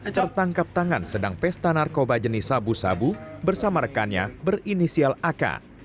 tertangkap tangan sedang pesta narkoba jenis sabu sabu bersama rekannya berinisial ak